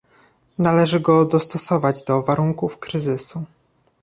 Należy go dostosować do warunków kryzysu